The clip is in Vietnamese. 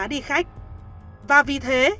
đi khách và vì thế